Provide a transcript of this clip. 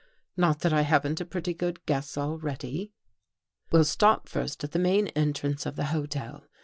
Not that I haven't a pretty good guess already." " We'll stop first at the main entrance of the hotel.